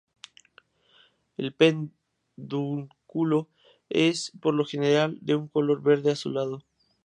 El pedúnculo es por lo general de un color verde-azulado.